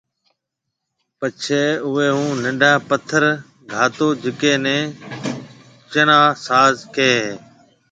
پڇيَ اوئيَ هون ننڊا پٿر گھاتو جڪيَ نيَ چنا سائز ڪيَ هيَ